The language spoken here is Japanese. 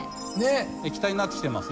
液体になってきてますね。